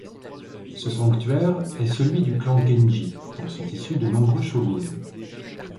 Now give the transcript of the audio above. Ce sanctuaire est celui du clan Genji dont sont issus de nombreux shogun.